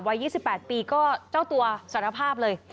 วัย๒๘ปีก็เจ้าตัวสารภาพเลย